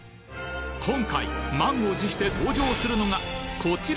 今回満を持して登場するのがこちら！